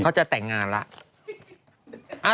เขาจะแต่งงานแล้ว